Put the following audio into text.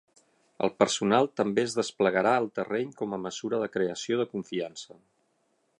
El personal també es desplegarà al terreny com a mesura de creació de confiança.